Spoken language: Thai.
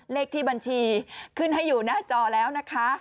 เลขที่บัญชีขึ้นให้อยู่หน้าจอแล้วนะคะ